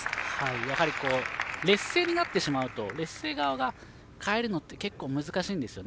やはり劣勢になってしまうと劣勢側が変えるのって結構、難しいんですよね。